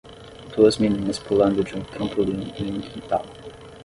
Duas meninas pulando de um trampolim em um quintal.